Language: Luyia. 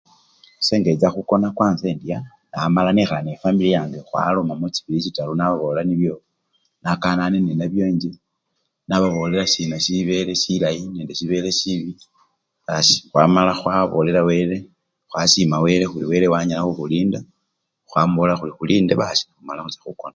Esee ngencha khukona kwansa endya amala nekhala nefamilo yange khwalomamo chibili chitaru, nababolela nibyo nakanane ninabyo enjje, nababolela sina sibele silayi nende sibele sibi asi amala khwabolela wele, khwasima wele khuri wele wanyala khukhulinda khwamubolela khuli khulinde basi nekhumala khucha khukona.